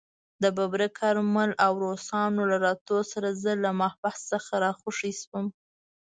د ببرک کارمل او روسانو له راتلو سره زه له محبس څخه راخوشي شوم.